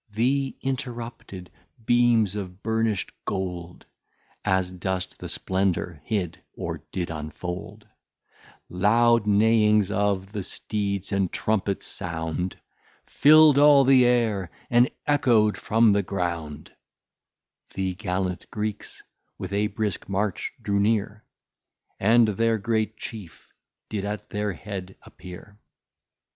The interrupted Beams of Burnisht Gold, As dust the Splendour hid, or did unfold; Loud Neighings of the Steeds, and Trumpets sound Fill'd all the Air, and eccho'd from the ground: The gallant Greeks with a brisk March drew near, And their great Chief did at their Head appear.